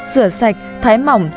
rửa sạch thái mỏng